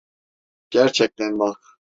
Gerçekten bak.